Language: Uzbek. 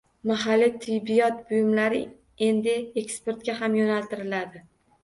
Mahalliy tibbiyot buyumlari endi eksportga ham yo‘naltiriladi